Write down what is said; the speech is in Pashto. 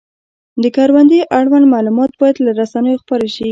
د کروندې اړوند معلومات باید له رسنیو خپاره شي.